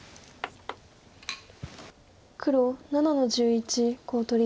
黒７の十一コウ取り。